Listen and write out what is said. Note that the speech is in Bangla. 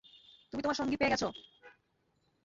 তুমি তোমার সঙ্গী পেয়ে গেছ।